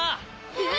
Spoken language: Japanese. え！